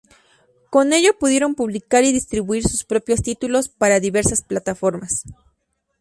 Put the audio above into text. Con ello pudieron publicar y distribuir sus propios títulos para diversas plataformas.